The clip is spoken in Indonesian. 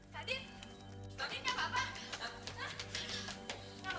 tadi tadi gak apa apa